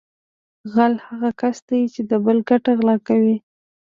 غل هغه کس دی چې د بل ګټه غلا کوي